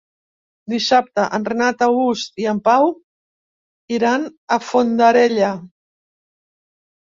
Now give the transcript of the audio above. Dissabte en Renat August i en Pau iran a Fondarella.